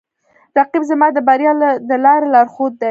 رقیب زما د بریا د لارې لارښود دی